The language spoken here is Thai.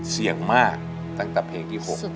เสี่ยงมากตั้งแต่เพลงที่๖